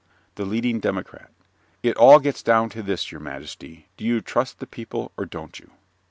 THE LEADING DEMOCRAT It all gets down to this, your majesty: do you trust the people, or don't you?